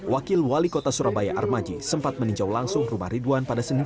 wakil wali kota surabaya armaji sempat meninjau langsung rumah ridwan pada senin